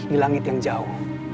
di langit yang jauh